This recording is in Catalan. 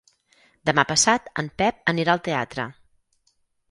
Demà passat en Pep anirà al teatre.